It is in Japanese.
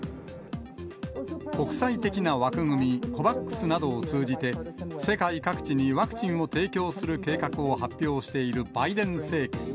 国際的な枠組み、ＣＯＶＡＸなどを通じて、世界各地にワクチンを提供する計画を発表しているバイデン政権。